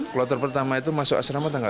kalau terpertama itu masuk asrama tanggal delapan